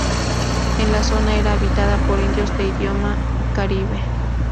La zona era habitada por indios de idioma caribe.